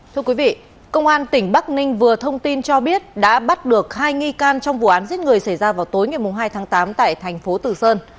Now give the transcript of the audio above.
thưa quý vị công an tỉnh bắc ninh vừa thông tin cho biết đã bắt được hai nghi can trong vụ án giết người xảy ra vào tối ngày hai tháng tám tại thành phố tử sơn